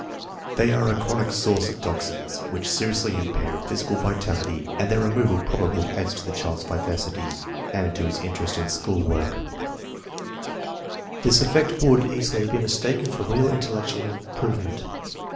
They are a chronic source of toxins which .seriously impair physical vitality, and their removal probably adds to the child's vivacity 152 INTELLIGENCE OF SCHOOL CHILDREN and to his interest in school work. This effect would easily be mistaken for real intellectual improvement.